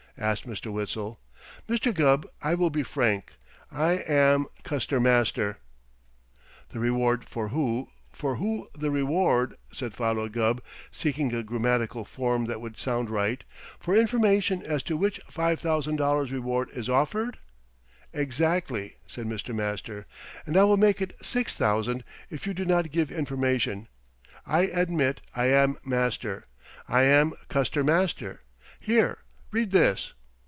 '" asked Mr. Witzel. "Mr. Gubb, I will be frank. I am Custer Master!" [Illustration: THE MISSING MR. MASTER] "The reward for who for who the reward," said Philo Gubb, seeking a grammatical form that would sound right, "for information as to which five thousand dollars reward is offered!" "Exactly!" said Mr. Master. "And I will make it six thousand if you do not give information. I admit I am Master. I am Custer Master. Here, read this!"